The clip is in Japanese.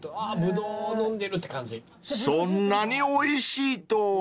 ［そんなにおいしいとは］